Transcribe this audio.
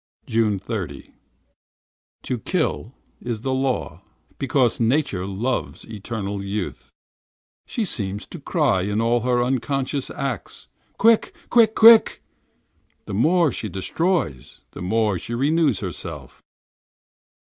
30th June. To kill is the law, because nature loves eternal youth. She seems to cry in all her unconscious acts: "Quick! quick! quick!" The more she destroys, the more she renews herself.